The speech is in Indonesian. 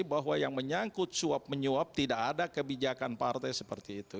bahwa yang menyangkut suap menyuap tidak ada kebijakan partai seperti itu